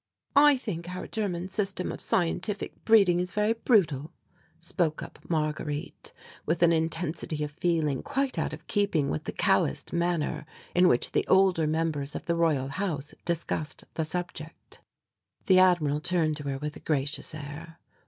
"I think our German system of scientific breeding is very brutal," spoke up Marguerite with an intensity of feeling quite out of keeping with the calloused manner in which the older members of the Royal House discussed the subject. The Admiral turned to her with a gracious air.